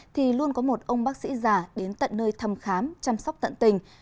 thì luôn có một ông bác sĩ già đến tận nơi thăm khám chăm sóc tận tình